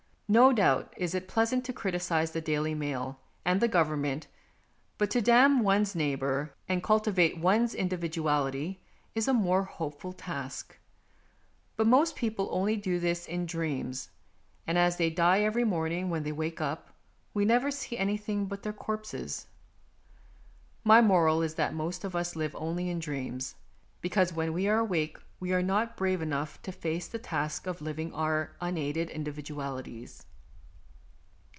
No doubt it is pleasant to criticise the Daily Mail and the Govern ment, but to damn one's neighbour and culti vate one's individuality is a more hopeful task. But most people only do this in dreams, and as they die every morning when they wake up, we never see anything but their corpses. My moral is that most of us live only in dreams, because when we are awake we are not brave enough to face the task of living with our unaided individualities.